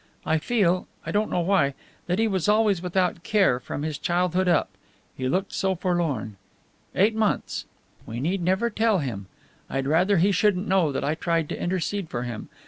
I feel I don't know why that he was always without care, from his childhood up. He looked so forlorn! Eight months! We need never tell him. I'd rather he shouldn't know that I tried to intercede for him.